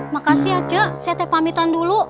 makasih ya ce saya teh pamitan dulu